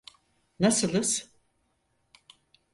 Nasılız?